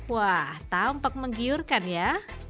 wah tampak menggiurkan ya